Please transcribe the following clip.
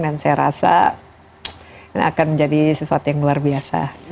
dan saya rasa ini akan menjadi sesuatu yang luar biasa